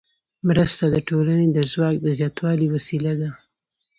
مرسته د ټولنې د ځواک د زیاتوالي وسیله ده.